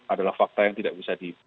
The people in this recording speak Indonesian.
adalah fakta yang tidak bisa di